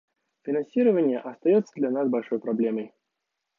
Финансирование остается для нас большой проблемой.